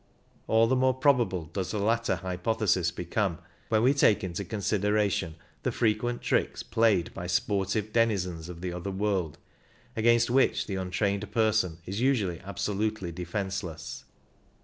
All the more probable does the latter hypothesis become when we take into consideration the frequent tricks played by sportive denizens of the other world, against which the untrained person is usually absolutely defenceless.